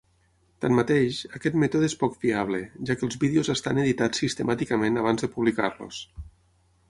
Tanmateix, aquest mètode és poc fiable, ja que els vídeos estan editats sistemàticament abans de publicar-los.